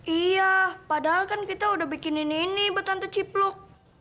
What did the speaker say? iya padahal kan kita udah bikin ini ini betanto cipluk